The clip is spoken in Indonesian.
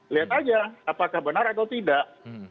lihat aja apakah benar atau tidak